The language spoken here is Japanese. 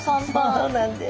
そうなんです。